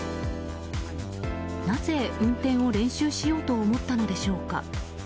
なぜ運転を練習しようと思ったのでしょうか。